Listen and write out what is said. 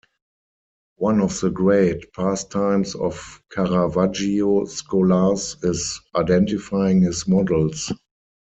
One of the great pastimes of Caravaggio scholars is identifying his models.